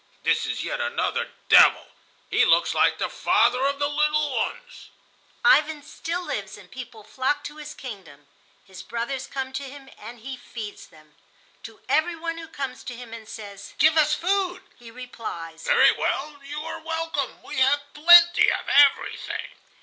This is yet another devil. He looks like the father of the little ones." Ivan still lives, and people flock to his kingdom. His brothers come to him and he feeds them. To every one who comes to him and says, "Give us food," he replies: "Very well; you are welcome. We have plenty of everything."